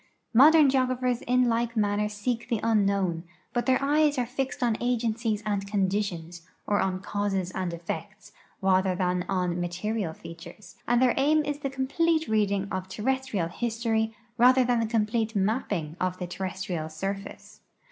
Modern geographers in like manner seek the unknown, but their eyes are flxed on agencies and conditions, or on causes and effects, rather than on material features, and their aim is the com})lete reading of terrestrial history rather than the complete mapping of the terrestrial surface.